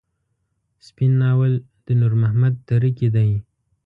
سپين ناول د نور محمد تره کي دی.